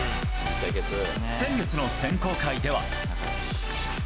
先月の選考会では。